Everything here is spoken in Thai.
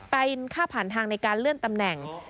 เป็นค่าผ่านทางในการเลื่อนตำแหน่ง